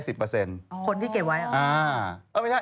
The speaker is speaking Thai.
คนที่เก็บไว้